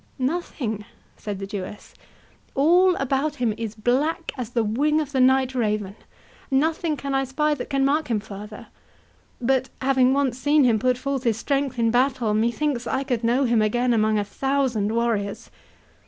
"Nothing," said the Jewess; "all about him is black as the wing of the night raven. Nothing can I spy that can mark him further—but having once seen him put forth his strength in battle, methinks I could know him again among a thousand warriors.